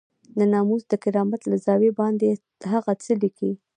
د ناموس د کرامت له زاويې دباندې هغه څه ليکي.